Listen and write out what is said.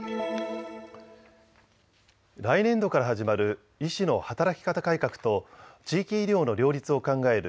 来年度から始まる医師の働き方改革と地域医療の両立を考える